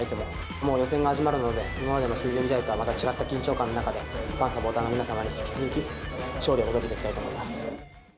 もう予選が始まるので、今までの親善試合とはまた違った緊張感の中で、サポーターの皆様に引き続き勝利を届けていきたいと思います。